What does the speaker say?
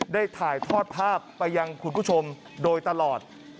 ได้ถ่ายทอดภาพไปยังคุณผู้ชมโดยตลอด